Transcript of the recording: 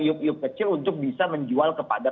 iuk iuk kecil untuk bisa menjual kepada